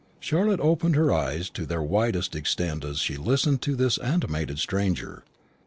Charlotte opened her eyes to their widest extent as she listened to this animated stranger.